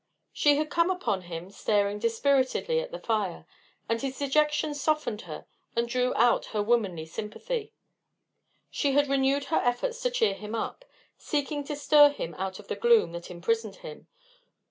She had come upon him staring dispiritedly at the fire, and his dejection softened her and drew out her womanly sympathy. She had renewed her efforts to cheer him up, seeking to stir him out of the gloom that imprisoned him.